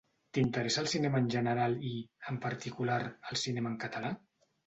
T'interessa el cinema en general i, en particular, el cinema en català?